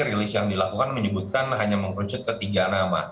rilis yang dilakukan menyebutkan hanya mengerucut ketiga nama